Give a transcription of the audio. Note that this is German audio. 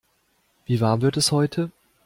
Wie warm wird es heute?